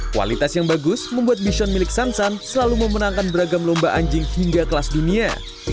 kualitas yang bagus membuat bison milik sansan selalu memenangkan beragam lomba anjing hingga kelas dunia